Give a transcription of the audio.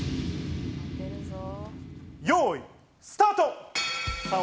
よい、スタート！